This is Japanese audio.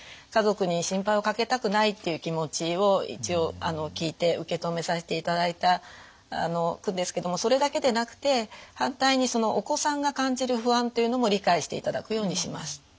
家族に心配をかけたくないっていう気持ちを一応聞いて受け止めさせていただくんですけどそれだけでなくて反対にそのお子さんが感じる不安っていうのも理解していただくようにします。